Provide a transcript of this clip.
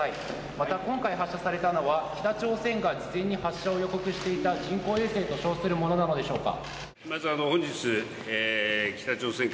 また、今回発射されたのは北朝鮮が事前に発射を予告していた人工衛星と称するものなのでしょうか？